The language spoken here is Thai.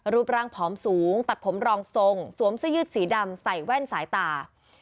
รูปร่างผอมสูงตัดผมรองทรงสวมเสื้อยืดสีดำใส่แว่นสายตา